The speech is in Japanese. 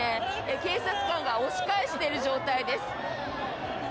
警察官が押し返している状態です。